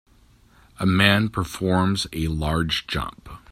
a man performs a large jump.